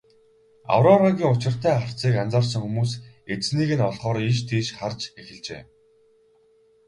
Аврорагийн учиртай харцыг анзаарсан хүмүүс эзнийг нь олохоор ийш тийш харж эхэлжээ.